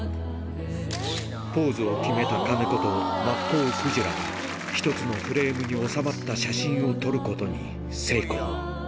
ポーズを決めた金子とマッコウクジラが一つのフレームに収まった写真を撮ることに成功。